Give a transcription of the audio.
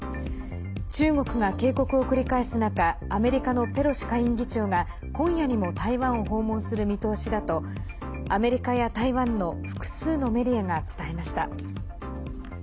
中国が警告を繰り返す中アメリカのペロシ下院議長が今夜にも台湾を訪問する見通しだとアメリカや台湾の複数のメディアが伝えました。